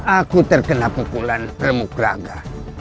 aku terkena pukulan permukraga